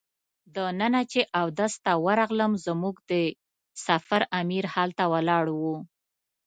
دننه چې اودس ته ورغلم زموږ د سفر امیر هلته ولاړ و.